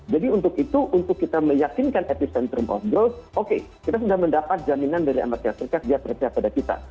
jadi untuk itu untuk kita meyakinkan epicentrum of growth oke kita sudah mendapat jaminan dari amerika serikat dia percaya pada kita